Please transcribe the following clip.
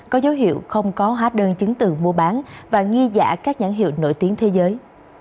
có dấu hiệu không có hóa đơn chứng tự mua bán và nghi giả các nhãn hiệu nổi tiếng thế giới